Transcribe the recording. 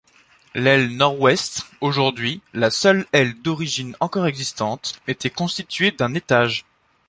L’aile Nord-ouest, aujourd’hui la seule aile d’origine encore existante, était constituée d’un étage.